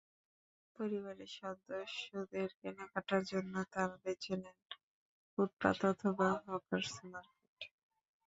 পরিবারের সদস্যদের কেনাকাটার জন্য তাঁরা বেছে নেন ফুটপাত অথবা হকার্স মার্কেট।